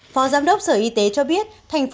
phó giám đốc sở y tế cho biết